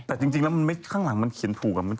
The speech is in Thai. แต่จริงแล้วข้างหลังมันเขียนถูก